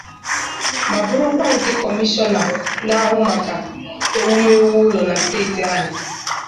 ma bụrụkwa nke Kọmishọna na-ahụ maka ewumewu ụlọ na steeti ahụ